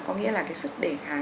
có nghĩa là cái khả năng đề kháng